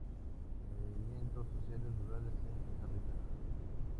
Movimiento sociales rurales en Costa Rica.".